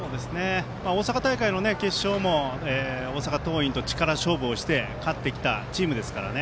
大阪大会の決勝も大阪桐蔭と力勝負をして勝ってきたチームですからね